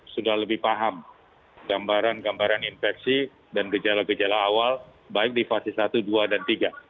sudah lebih paham gambaran gambaran infeksi dan gejala gejala awal baik di fase satu dua dan tiga